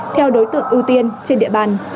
theo đối tượng ưu tiên trên địa bàn